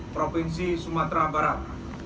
provinsi sumatera barat